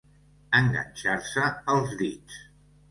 Enganxar-se els dits.